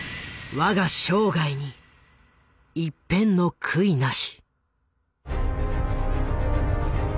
「わが生涯に一片の悔いなし！！」